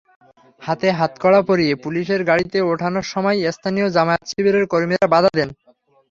তাঁকে হাতকড়া পরিয়ে পুলিশের গাড়িতে ওঠানোর সময় স্থানীয় জামায়াত-শিবিরের কর্মীরা বাধা দেন।